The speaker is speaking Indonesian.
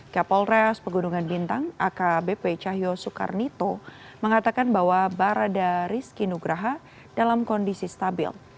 kapolres pegunungan bintang akbp cahyo soekarnito mengatakan bahwa barada rizky nugraha dalam kondisi stabil